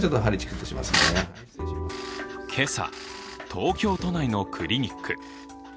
今朝、東京都内のクリニック。